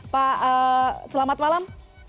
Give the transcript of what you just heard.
pak selamat malam